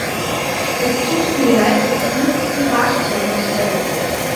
Es tut mir leid für die, die warten mussten.